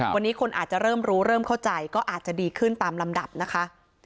วันนี้คนอาจจะเริ่มรู้เริ่มเข้าใจก็อาจจะดีขึ้นตามลำดับนะคะ